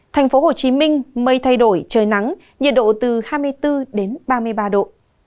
thành phố hồ chí minh mây thay đổi trời nắng nhiệt độ từ hai mươi bốn ba mươi ba độ